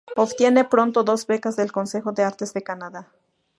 Obtiene pronto dos becas del Consejo de Artes de Canadá.